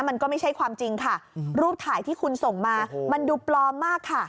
มันก็ไม่ใช่ความจริงค่ะรูปถ่ายที่คุณส่งมามันดูปลอมมากค่ะ